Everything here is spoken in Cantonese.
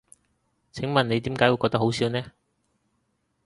請問你點解會覺得好笑呢？